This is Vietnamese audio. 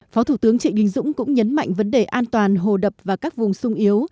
phó thủ tướng trịnh đình dũng cũng nhấn mạnh vấn đề an toàn hồ đập và các vùng sung yếu